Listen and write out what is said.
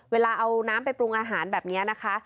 เวลาเอาน้ำไปปรุงอาหารแบบนี้นะคะ